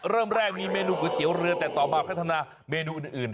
เริ่มแรกมีเมนูก๋วยเตี๋ยวเรือแต่ต่อมาพัฒนาเมนูอื่น